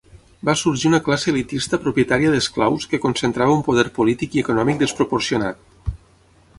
Va sorgir una classe elitista propietària d'esclaus que concentrava un poder polític i econòmic desproporcionat.